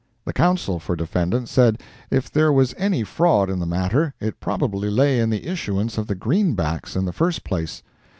The counsel for defendant said if there was any fraud in the matter, it probably lay in the issuance of the green backs in the first place.